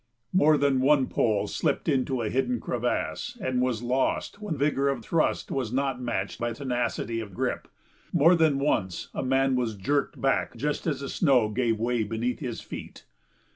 More than one pole slipped into a hidden crevasse and was lost when vigor of thrust was not matched by tenacity of grip; more than once a man was jerked back just as the snow gave way beneath his feet.